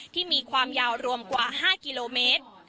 ที่มีความยาวรวมกว่า๕กิโลเมตร